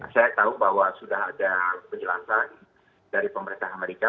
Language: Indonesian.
saya tahu bahwa sudah ada penjelasan dari pemerintah amerika